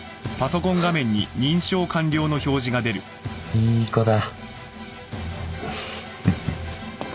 いい子だ。